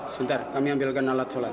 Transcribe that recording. sebentar kami ambilkan alat sholat